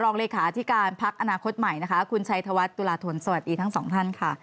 รองรายการเลขาที่การพักอนาคตใหม่คุณชัยธวัฏตุรถรสวัสดีทั้งสองท่านค่ะ